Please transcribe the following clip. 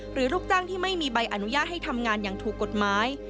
ลูกจ้างที่ไม่มีใบอนุญาตให้ทำงานอย่างถูกกฎหมาย